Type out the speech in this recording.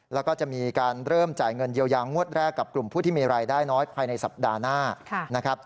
แล้วก็จะมีการเริ่มจ่ายเงินเยียวยางวดแรกกับกลุ่มผู้ที่มีรายได้น้อยภายในสัปดาห์หน้านะครับ